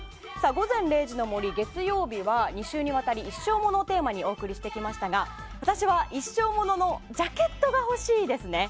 「午前０時の森」月曜日は２週にわたり一生モノをテーマにお送りしてきましたが私は一生モノのジャケットが欲しいです。